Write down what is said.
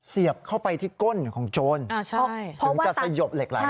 เสียบเข้าไปที่ก้นของโจรถึงจะสยบเหล็กไหล